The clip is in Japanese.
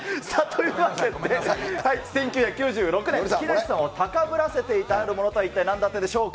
というわけで、１９９６年、木梨さんを高ぶらせていたあるものとは、一体なんだったでしょう